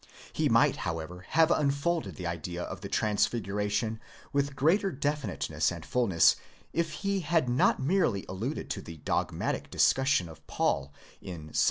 He might, however, have unfolded the idea of the Transfiguration with greater definite ness and fulness if he had not merely alluded to the dogmatic discussion of Paul in 2 Cor.